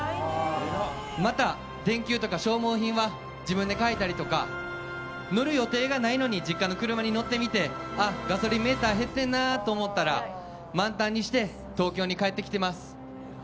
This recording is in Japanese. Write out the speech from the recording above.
また、電球とか消耗品は自分で買ったりとか乗る予定がないのに実家の車に乗ってみてガソリンメーター減ってるなと思ったら満タンにして東京に帰ってきています。